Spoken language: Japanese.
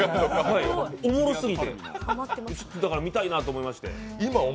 おもろすぎて、だから見たいなと思いまして。